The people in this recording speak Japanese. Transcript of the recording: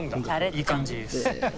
いい感じです。